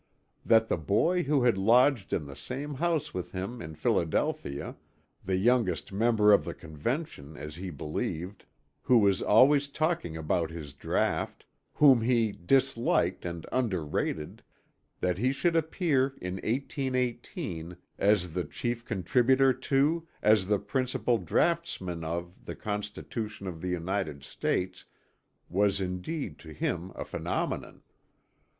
That the boy who had lodged in the same house with him in Philadelphia, the youngest member of the Convention as he believed, who was always talking about his draught, whom he disliked and underrated, that he should appear in 1818 as the chief contributor to, as the principal draughtsman of the Constitution of the United States was indeed to him a phenomenon.